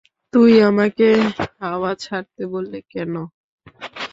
তুমি আমাকে হাওয়া ছাড়তে বললে কেন?